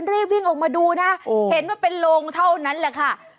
รีบวิ่งออกมาดูนะเห็นว่าเป็นโลงเท่านั้นแหละค่ะ